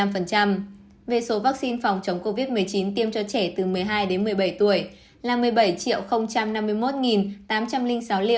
về số vaccine phòng chống covid một mươi chín tiêm cho trẻ từ một mươi hai đến một mươi bảy tuổi là một mươi bảy năm mươi một tám trăm linh sáu liều